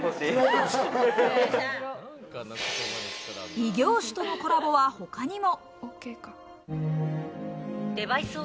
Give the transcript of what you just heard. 異業種とのコラボは他にも。